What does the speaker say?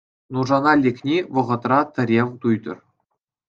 Нушана лекни вӑхӑтра тӗрев туйтӑр